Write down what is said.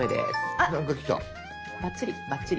バッチリバッチリ。